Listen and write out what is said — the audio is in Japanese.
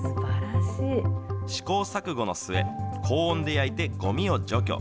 試行錯誤の末、高温で焼いてごみを除去。